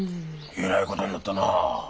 えらいことになったな。